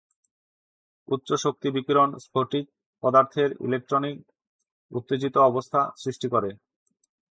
উচ্চ শক্তি বিকিরণ স্ফটিক পদার্থে ইলেকট্রনিক উত্তেজিত অবস্থা সৃষ্টি করে।